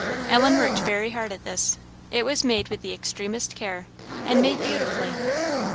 Ellen worked very hard at this; it was made with the extremest care, and made beautifully.